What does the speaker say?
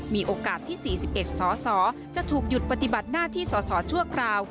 มีโอกาสที่๔๑สสจะถูกหยุดปฏิบัติหน้าที่สอสอชั่วคราว